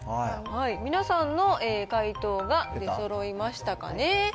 皆さんの解答が出そろいましたかね。